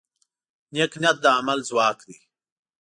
نیک نیت د عمل ځواک دی.